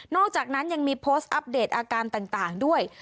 อกจากนั้นยังมีโพสต์อัปเดตอาการต่างด้วย